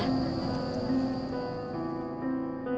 ibu di belakang